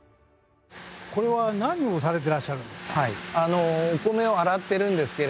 これは何をされてらっしゃるんですか？